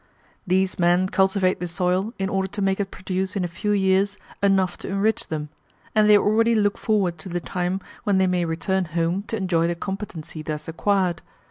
These men cultivate the soil in order to make it produce in a few years enough to enrich them; and they already look forward to the time when they may return home to enjoy the competency thus acquired.